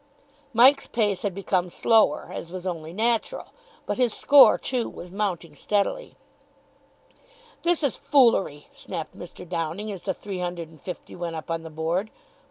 Mike's pace had become slower, as was only natural, but his score, too, was mounting steadily. "This is foolery," snapped Mr. Downing, as the three hundred and fifty went up on the board.